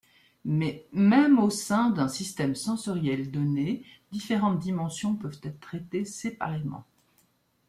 Mais même au sein d'un système sensoriel donné différentes dimensions peuvent être traitées séparément.